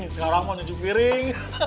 sekarang mau nyecip piring